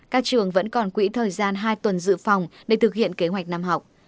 các trường vẫn còn quỹ thời gian hai tuần dự phòng để thực hiện kế hoạch năm học